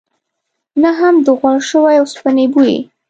نه هم د غوړ شوي اوسپنې بوی.